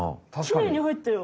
きれいにはいったよ。